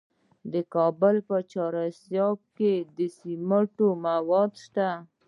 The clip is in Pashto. د کابل په چهار اسیاب کې د سمنټو مواد شته.